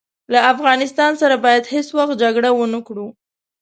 له افغانستان سره باید هیڅ وخت جګړه ونه کړو.